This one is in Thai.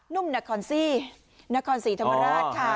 นุ่มนาคอนซี่นาคอนสีธรรมราชค่ะ